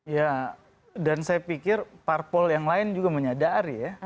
ya dan saya pikir parpol yang lain juga menyadari ya